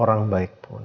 orang baik pun